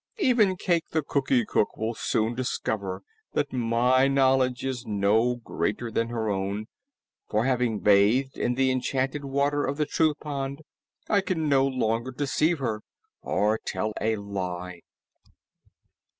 Even Cayke the Cookie Cook will soon discover that my knowledge is no greater than her own, for having bathed in the enchanted water of the Truth Pond, I can no longer deceive her or tell a lie."